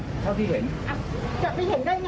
เขาทำงานตอนนี้เขาก็เป็นคนหาออเดอร์